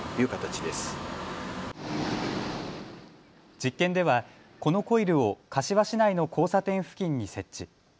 実験ではこのコイルを柏市内の交差点付近に設置。